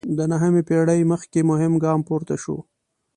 د نهمې پېړۍ مخکې مهم ګام پورته شو.